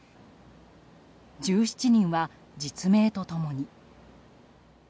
１７人は実名と共に。